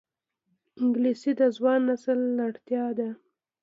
انګلیسي د ځوان نسل اړتیا ده